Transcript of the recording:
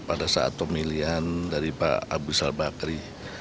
pada saat pemilihan dari pak abu salbakri